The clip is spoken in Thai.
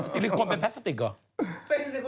ซิลิโคนเป็นพลาสติกเหรอ